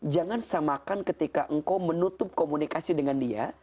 jangan samakan ketika engkau menutup komunikasi dengan dia